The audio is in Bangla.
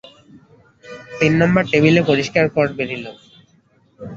তিন নাম্বার টেবিল পরিষ্কার কর বেরিল।